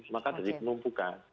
maka dari penumpukan